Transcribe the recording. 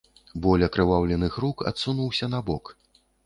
Боль акрываўленых рук адсунуўся набок.